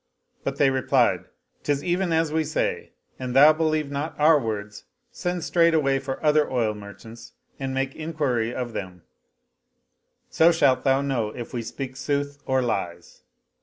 But they replied, " 'Tis even as we say : an thou believe not our words send straightway for other oil merchants and make inquiry of them, so shalt thou know if we speak sooth or lies."